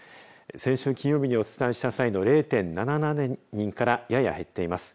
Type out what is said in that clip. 先週金曜日にお伝えした際の０．７７人からやや減っています。